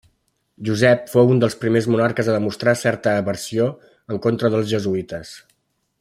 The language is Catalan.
Josep fou un dels primers monarques a demostrar certa aversió en contra dels jesuïtes.